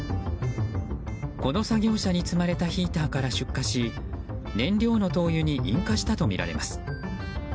この作業車に積まれたヒーターから出火し燃料の灯油に引火したとみられます。